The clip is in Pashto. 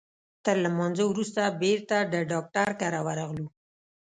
تر لمانځه وروسته بیرته د ډاکټر کره ورغلو.